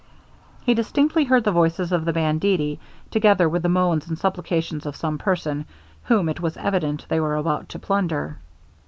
He distinctly heard the voices of the banditti, together with the moans and supplications of some person, whom it was evident they were about to plunder.